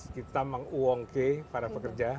kita menguongke para pekerja